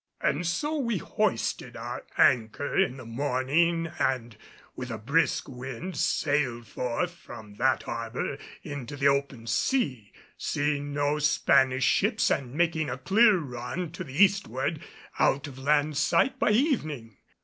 And so we hoisted our anchor in the morning and with a brisk wind sailed forth from that harbor into the open sea, seeing no Spanish ships and making a clear run to the eastward out of land sight by evening.